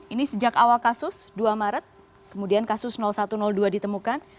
ini sejak awal kasus dua maret kemudian kasus satu dua ditemukan